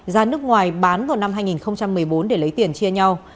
ra nước ngoài bán vào năm hai nghìn một mươi bốn để lấy tiền chia nhau